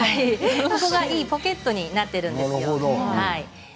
いいポケットになっているんですよ。